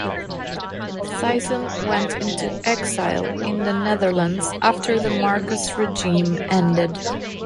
Sison went into exile in the Netherlands after the Marcos regime ended.